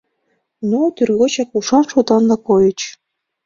Но тӱргочак ушан-шотанла койыч.